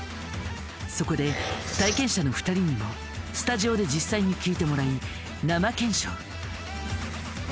そこで体験者の２人にもスタジオで実際に聴いてもらい生検証。